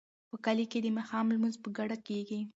په کلي کې د ماښام لمونځ په ګډه کیږي.